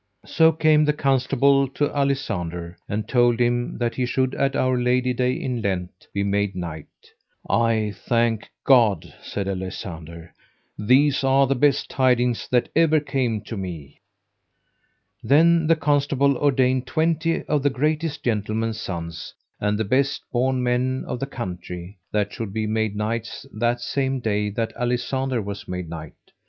So came the Constable to Alisander, and told him that he should at our Lady Day in Lent be made knight. I thank God, said Alisander; these are the best tidings that ever came to me. Then the Constable ordained twenty of the greatest gentlemen's sons, and the best born men of the country, that should be made knights that same day that Alisander was made knight.